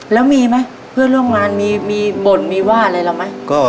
แล้วมีไหมเพื่อนร่วมงานมีบ่นมีว่าอะไรเราไหม